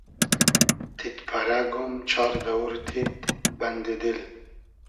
تید پئرئگوم چار دئوور تید, بئندی دیل